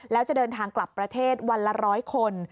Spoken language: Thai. แล้วจะเดินทางกลับประเทศวันละ๑๐๐คน